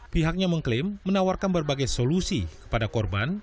pihaknya mengklaim menawarkan berbagai solusi kepada korban